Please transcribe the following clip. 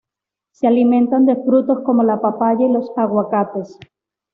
Se alimentan de frutos como la papaya y los aguacates.